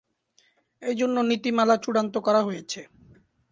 এ জন্য নীতিমালা চূড়ান্ত করা হয়েছে।